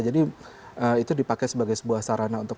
jadi itu dipakai sebagai sebuah sarana untuk